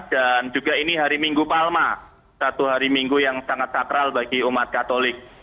dan juga ini hari minggu palma satu hari minggu yang sangat sakral bagi umat katolik